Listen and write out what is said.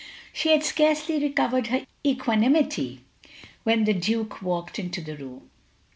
She had scarcely recovered her equanimity when the Duke walked into the room.